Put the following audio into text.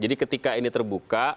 jadi ketika ini terbuka